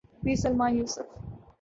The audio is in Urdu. پیرسلمان یوسف۔